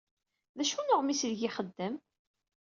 D acu n uɣmis aydeg ixeddem?